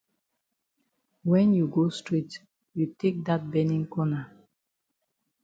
When you go straight you take dat benin corner.